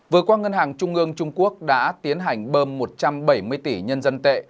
vừa qua ngân hàng trung ương trung quốc đã tiến hành bơm một trăm bảy mươi tỷ nhân dân tệ